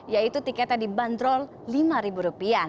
yaitu tiketnya dibanderol lima rupiah